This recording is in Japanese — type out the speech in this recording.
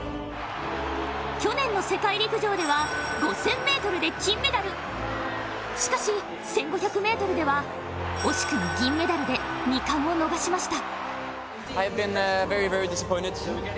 去年の世界陸上では５０００ｍで金メダル、しかし、１５００ｍでは惜しくも銀メダルで２冠を逃しました。